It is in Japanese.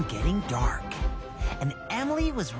えっ？